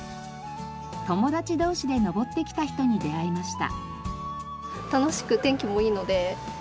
友達同士で登ってきた人に出会いました。